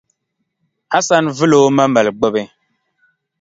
Hasan vili o ma mali gbubi.